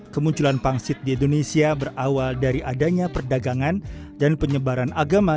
kemunculan pangsit di indonesia berawal dari adanya perdagangan dan penyebaran agama